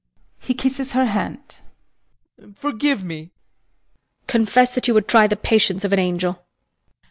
[He kisses her hand] Forgive me. HELENA. Confess that you would try the patience of an angel.